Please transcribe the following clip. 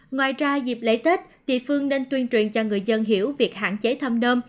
ngoài ra dịp lễ tết tỷ phương nên tuyên truyền cho người dân hiểu việc hạn chế thăm đôm